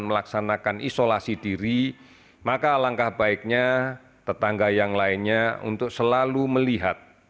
melaksanakan isolasi diri maka alangkah baiknya tetangga yang lainnya untuk selalu melihat